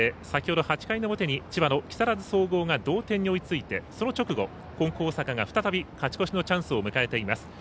先ほど８回の表に千葉の木更津総合が同点に追いついてその直後、金光大阪が勝ち越しのチャンスを迎えています。